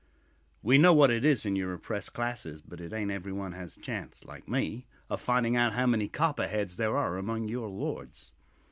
We know what it is in your oppressed classes, but it aint every one has a chance, like me, of finding out how many copperheads there are among your lords.